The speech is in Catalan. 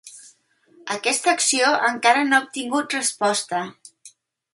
Aquesta acció encara no ha obtingut resposta.